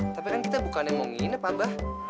tapi kan kita bukan yang mau nginep abah